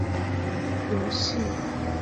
游戏介面似受世纪帝国系列的影响。